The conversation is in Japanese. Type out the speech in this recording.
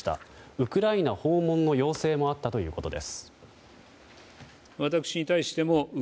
ウクライナ訪問の要請もあったということです。